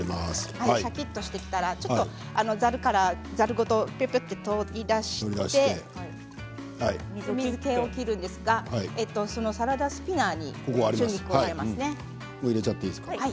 シャキっとしてきたら、ざるごと取り出して水けを切るんですがサラダスピナーに入れてください。